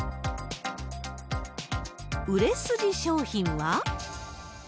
売れ筋商品は。